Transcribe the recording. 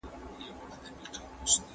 د پيغمبر لارښوونې بايد عملي سي.